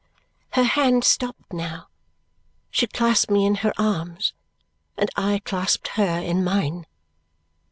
Her hand stopped now. She clasped me in her arms, and I clasped her in mine.